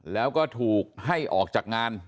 แล้วก็ถูกให้ออกจากงาน